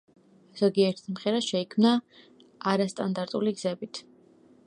ზოგიერთი სიმღერა შეიქმნა არასტანდარტული გზებით.